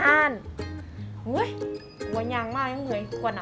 หน้าห้าน